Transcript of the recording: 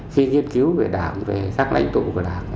khi nghiên cứu về đảng về các lãnh tụ của đảng